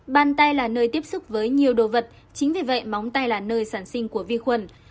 bàn tay là nơi tiếp xúc với nhiều đồ vật chính vì vậy móng tay là nơi sản sinh của vi khuẩn